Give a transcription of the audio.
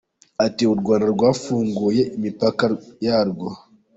Ati “U Rwanda rwafunguye imipaka yarwo.